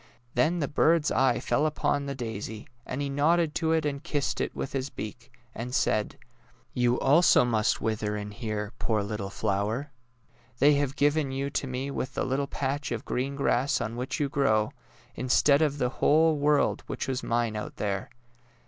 Then the bird's eye fell upon the daisy, and he nodded to it and kissed it with his beak, and said: '' You also must wither in here, poor little flower. They have given you to me with the little patch of green grass on which you grow, instead of the whole world which was mine out there